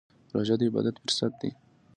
روژه د عبادت فرصت دی.